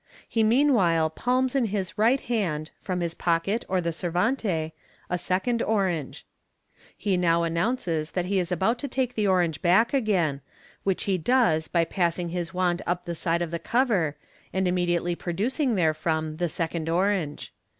He meanwhile palms in his right hand, from his pocket or the servante, a second orange. He now announces that he is about to take the orange back again, which he does by passing his wand up the side of the cover, and immediately 364 MODERN MA GIC. producing therefrom the second orange.